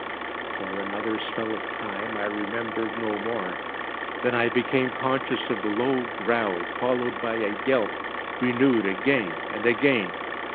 For another spell of time I remembered no more. Then I became conscious of a low growl, followed by a yelp, renewed again and again.